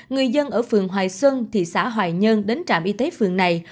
người dân ở phường hoài xuân thị xã hoài nhơn đến trạm y tế phường này